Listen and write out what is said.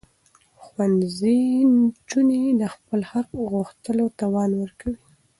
ښوونځي نجونې د خپل حق غوښتلو توان ورکوي.